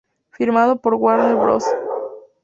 Firmado por Warner Bros.